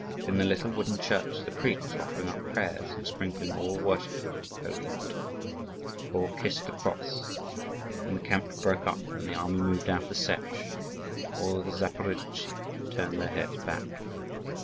In the little wooden church the priest was offering up prayers and sprinkling all worshippers with holy water. All kissed the cross. When the camp broke up and the army moved out of the Setch, all the Zaporozhtzi turned their heads back.